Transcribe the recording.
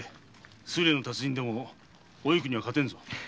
水練の達人でもおいくには勝てんぞ。